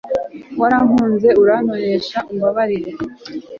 warankunze urantonesha, umbarira